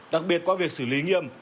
đặc biệt qua việc xử lý nghiêm